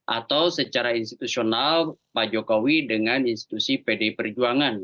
atau secara institusional pak jokowi dengan institusi pdi perjuangan